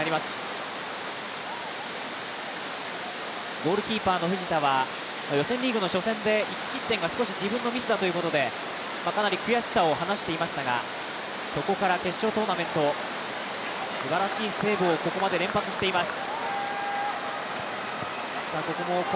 ゴールキーパーの藤田は、予選リーグの初戦で１失点が自分のミスだということでかなり悔しさを話していましたが、そこから決勝トーナメント、すばらしいセーブをここまで連発しています。